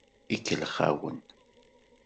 Ikellex-awen.